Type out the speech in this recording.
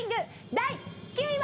第９位は。